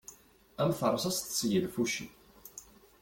Am terṣaṣt seg lfuci.